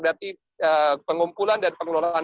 dati pengumpulan dan pengelolaan